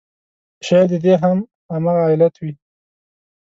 شاید د دې هم همغه علت وي.